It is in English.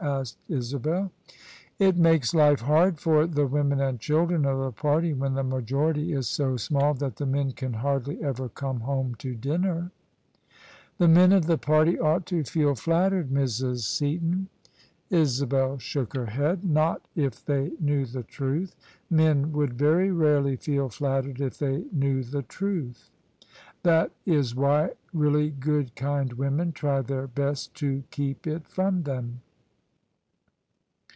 " asked Isabel. " It makes life hard for the women and children of the party when the majority is so small that the men can hardly ever come home to dinner 1 '*" The men of the party ought to feel flattered, Mrs. Seaton." OF ISABEL CARNABY Isabel shook her head. " Not if they knew the truth : men would very rarely feel flattered if they knew the truth. That IS why really good kind women try their best to keep It from them."